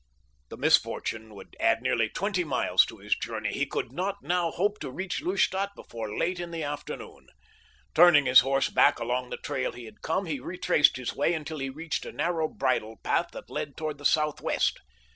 The misfortune would add nearly twenty miles to his journey—he could not now hope to reach Lustadt before late in the afternoon. Turning his horse back along the trail he had come, he retraced his way until he reached a narrow bridle path that led toward the southwest.